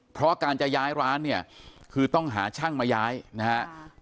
เพราะการจะย้ายร้านเนี่ยคือต้องหาช่างมาย้ายนะครับ